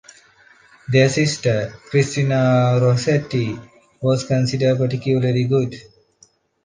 Their sister, Christina Rossetti, was considered particularly good.